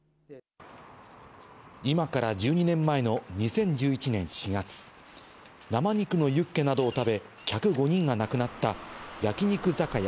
今から１２年前の２０１１年４月、生肉のユッケなどを食べ、客５人が亡くなった、焼肉酒家